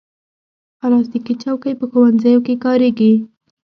پلاستيکي چوکۍ په ښوونځیو کې کارېږي.